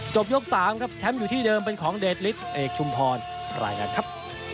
ยก๓ครับแชมป์อยู่ที่เดิมเป็นของเดชฤทธิเอกชุมพรรายงานครับ